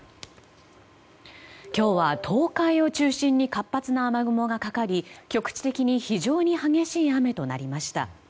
今日は東海を中心に活発な雨雲がかかり局地的に非常に激しい雨となりました。